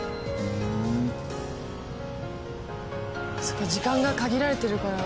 そっか時間が限られてるから。